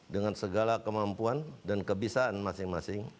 dengan segala kemampuan dan kebisaan masing masing